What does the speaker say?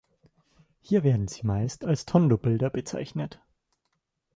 Hier werden sie meist als Tondo-Bilder bezeichnet.